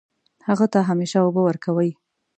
هغه ته همیشه اوبه ورکوئ